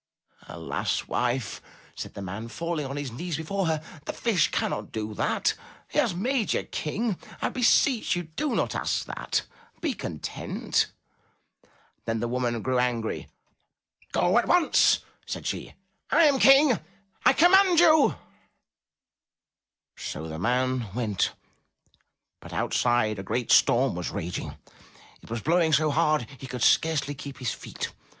"Alas! wife," said the man, falling on his knees before her, "the Fish cannot do that. He has made you King. I beseech you do not ask that! Be content." Then the woman grew angry. 198 UP ONE PAIR OF STAIRS 4li 'Go, at once," said she. '*I am King — I command you!" So the man went. But outside, a great storm was raging; it was blowing so hard, he could scarcely keep his feet.